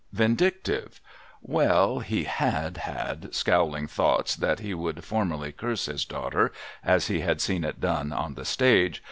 Vindictive ? Well ; he Juxd had scowling thoughts that he would formally curse his daughter, as he had seen it done on the stage.